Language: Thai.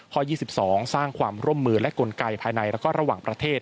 ๒๒สร้างความร่วมมือและกลไกภายในแล้วก็ระหว่างประเทศ